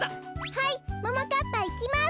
はいももかっぱいきます。